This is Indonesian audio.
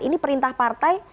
ini perintah partai